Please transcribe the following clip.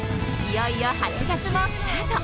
いよいよ８月もスタート。